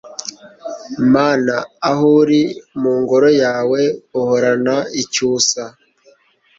mana, aho uri mu ngoro yawe, uhorana icyusa